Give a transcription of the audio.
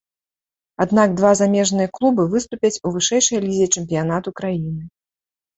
Аднак два замежныя клубы выступяць у вышэйшай лізе чэмпіянату краіны.